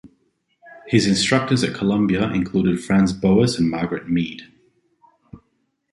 His instructors at Columbia included Franz Boas and Margaret Mead.